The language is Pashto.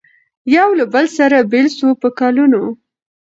یو له بله سره بېل سو په کلونو